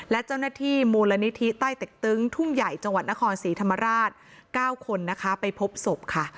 และเจ้าหน้าที่มูลนิธิใต้เต็กตึงทุ่งใหญ่จังหวัดนครศรีธรรมราช๙คนนะคะไปพบศพค่ะ